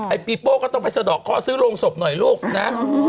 ปีโป้ก็ต้องไปสะดอกเคาะซื้อโรงศพหน่อยลูกนะ